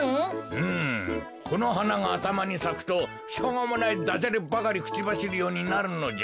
うむこのはながあたまにさくとしょうもないダジャレばかりくちばしるようになるのじゃ。